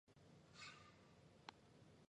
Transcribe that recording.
他之后返回山西。